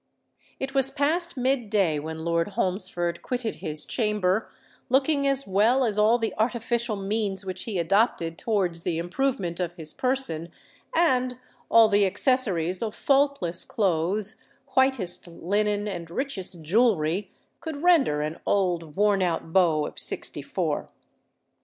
It was past mid day when Lord Holmesford quitted his chamber, looking as well as all the artificial means which he adopted towards the improvement of his person, and all the accessories of faultless clothes, whitest linen, and richest jewellery, could render an old worn out beau of sixty four.